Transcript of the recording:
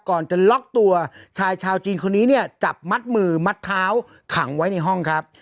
ก่อนจะล็อกตัวชายชาวจีนคนนี้เนี่ยจับมัดมือมัดเท้าขังไว้ในห้องครับ